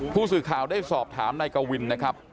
ผู้สื่อข่าวได้สอบถามนายกวินนะครับ